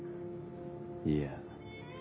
いや。